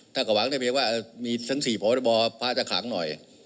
ถ้ากระหว่างได้เรียกว่ามีทั้ง๔พระบาทบอสพระอาจจะขังหน่อย